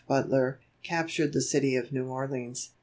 Butler, captured the city of New Orleans.